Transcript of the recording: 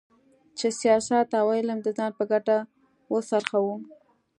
چې سیاست او علم د ځان په ګټه وڅرخوو.